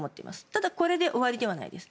ただ、これで終わりではないです